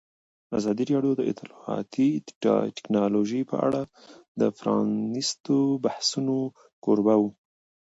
ازادي راډیو د اطلاعاتی تکنالوژي په اړه د پرانیستو بحثونو کوربه وه.